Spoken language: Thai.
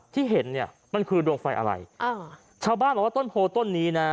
ที่เห็นเนี่ยมันคือดวงไฟอะไรอ่าชาวบ้านบอกว่าต้นโพต้นนี้นะ